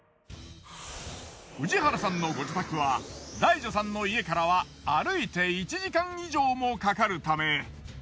氏原さんのご自宅はダイ女さんの家からは歩いて１時間以上もかかるため。